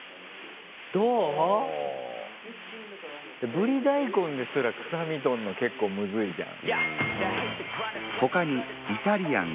ブリ大根ですら臭み取るの結構むずいじゃん。